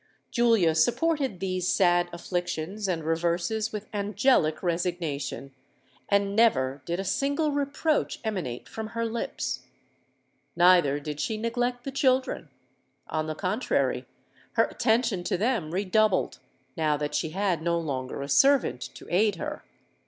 Julia supported these sad afflictions and reverses with angelic resignation; and never did a single reproach emanate from her lips. Neither did she neglect the children: on the contrary, her attention to them redoubled, now that she had no longer a servant to aid her.